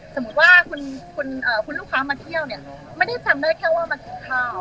สมมุติว่าคุณลูกค้ามาเที่ยวเนี่ยไม่ได้จำได้แค่ว่ามากินข้าว